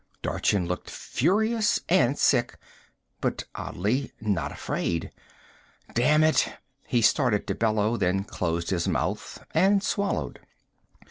Dorchin looked furious and sick but, oddly, not afraid. "Damn it " he started to bellow, then closed his mouth and swallowed.